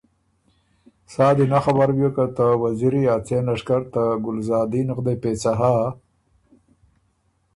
سا دی نک خبر بیوک که ته وزیری ا څېن لشکر ته ګلزادین غدئ پېڅه هۀ،